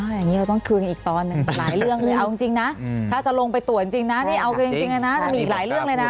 อย่างนี้เราต้องคืนอีกตอนหนึ่งหลายเรื่องเลยเอาจริงนะถ้าจะลงไปตรวจจริงนะนี่เอากันจริงเลยนะจะมีอีกหลายเรื่องเลยนะ